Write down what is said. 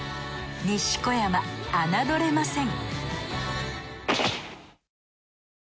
西小山侮れません